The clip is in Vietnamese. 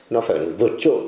nó phải vượt trội